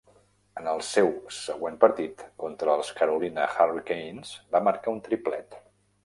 En el seu següent partit, contra els Carolina Hurricanes, va marcar un triplet.